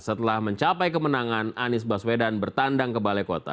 setelah mencapai kemenangan anies baswedan bertandang ke balai kota